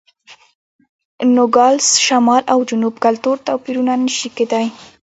د نوګالس شمال او جنوب کلتور توپیرونه نه شي کېدای.